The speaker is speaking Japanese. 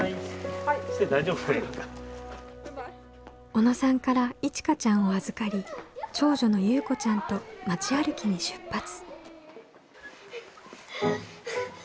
小野さんからいちかちゃんを預かり長女のゆうこちゃんと町歩きに出発。